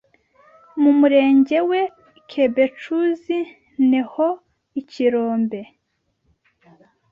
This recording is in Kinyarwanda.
Mu Murenge we Kebecuzi ne ho ikirombe